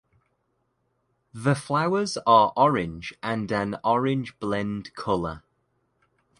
The flowers are orange and an orange blend color.